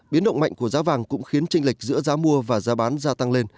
biến động mạnh của giá vàng cũng khiến tranh lệch giữa giá mua và giá bán gia tăng lên